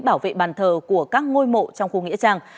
bảo vệ bàn thờ của các ngôi mộ trong khu nghĩa trang